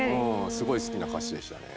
すごい好きな歌詞でしたね。